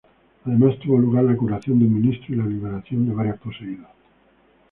Además, tuvo lugar la curación de un ministro y la liberación de varios poseídos.